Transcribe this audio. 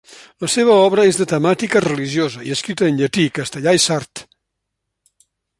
La seva obra és de temàtica religiosa, i escrita en llatí, castellà i sard.